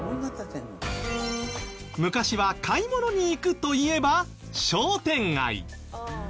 昔は買い物に行くといえば商店街。